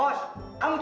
oh bosnya kicap itu